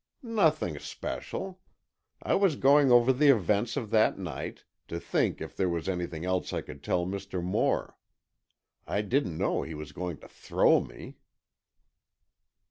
"Nothing especial. I was going over the events of that night, to think if there was anything else I could tell Mr. Moore. I didn't know he was going to throw me!"